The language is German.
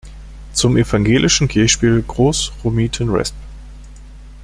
Zum evangelischen Kirchspiel Groß Rominten resp.